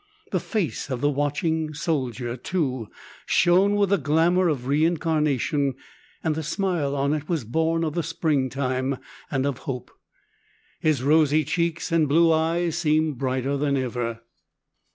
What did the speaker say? The face of the watching soldier, too, shone with a glamour of reincarnation, and the smile on it was born of the springtime and of hope. His rosy cheeks and blue eyes seemed brighter than ever.